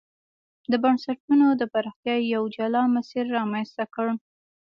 د بنسټونو د پراختیا یو جلا مسیر رامنځته کړ.